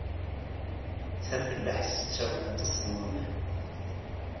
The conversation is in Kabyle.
Tafellaḥt tettawi aṭas n waman.